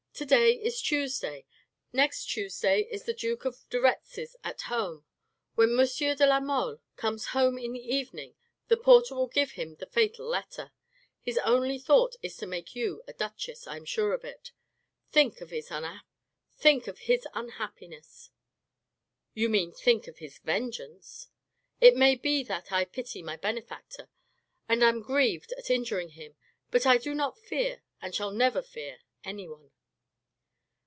To day is Tuesday, next Tuesday is the duke de Retz's at home ; when M. de la Mole comes home in the evening the porter will give him the fatal letter. His only thought is to make you a duchess, I am sure of it. Think of his unhappiness." " You mean, think of his vengeance? "" It may be that I pity my benefactor, and am grieved at injuring him, but I do not fear, and shall never fear anyone."